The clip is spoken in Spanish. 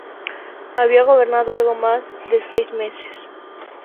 Había gobernado algo más de seis meses.